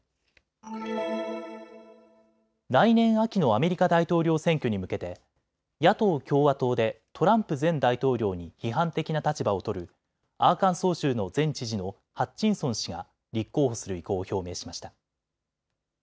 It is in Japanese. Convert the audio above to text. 来年秋のアメリカ大統領選挙に向けて野党共和党でトランプ前大統領に批判的な立場を取るアーカンソー州の前知事のハッチンソン氏が立候補する意向を表明しました。